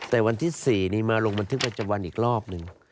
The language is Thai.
แต่วันที่๔นี้มาลงบันทึกประจำวันอีกรอบหนึ่ง